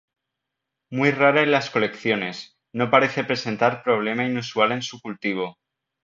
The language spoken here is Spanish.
Muy rara en las colecciones; no parece presentar problema inusual en su cultivo.